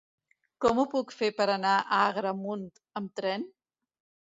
Com ho puc fer per anar a Agramunt amb tren?